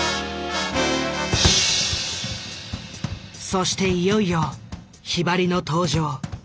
そしていよいよひばりの登場。